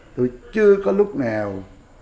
tôi chưa có lúc nào